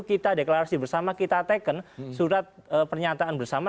kita deklarasi bersama kita teken surat pernyataan bersama